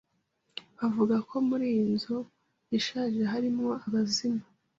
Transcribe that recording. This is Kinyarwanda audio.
Bavuga ko muri iyi nzu ishaje harimo abazimu